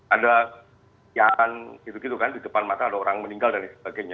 ada yang gitu gitu kan di depan mata ada orang meninggal dan sebagainya